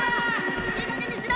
いいかげんにしろ！